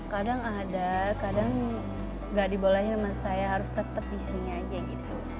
kadang ada kadang gak dibolehin sama saya harus tetap di sini aja gitu